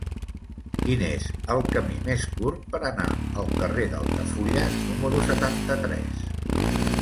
Quin és el camí més curt per anar al carrer d'Altafulla número setanta-tres?